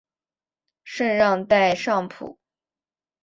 圣让代尚普。